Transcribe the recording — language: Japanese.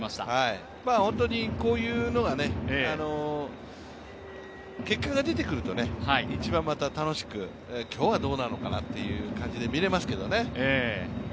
本当にこういうのが結果が出てくると一番また楽しく、今日はどうなるのかなという感じで見れますけどね。